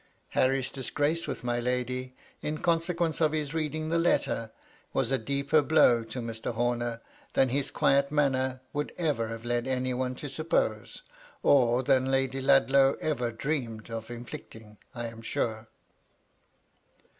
Harry's disgrace with my lady, in consequence of his reading the letter, was a deep^ blow to Mr. Homer than his quiet manner would ever have led any one to suppose, or than Lady Ludlow ev^ dreamed of inflicting, I am sure.